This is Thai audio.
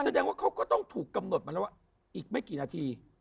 แสดงว่าเขาก็ต้องถูกกำหนดมาแล้วว่าอีกไม่กี่นาที